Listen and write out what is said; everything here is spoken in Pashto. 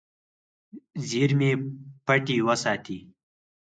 زیرمې پټې وساتې.